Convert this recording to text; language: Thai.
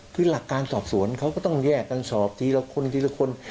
คือหลักการสอบสวนเขาก็ต้องแยกกันสอบทีละคนทีละคน